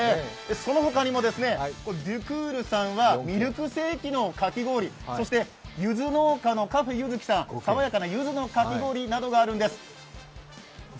そのほかにもＤｏｕｘｃｏｅｕｒさんはミルクセーキのかき氷、そしてゆず農家のカフェ柚子木さんは爽やかなゆずのかき氷があるんです。